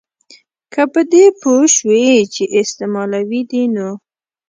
که په دې پوه سوې چي استعمالوي دي نو